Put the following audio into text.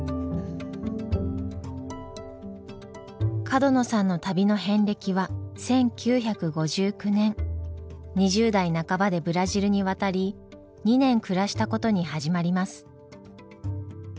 角野さんの旅の遍歴は１９５９年２０代半ばでブラジルに渡り２年暮らしたことに始まります。